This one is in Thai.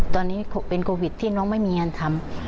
ตอนนี้เป็นโควิดที่น้องไม่มีงานทำ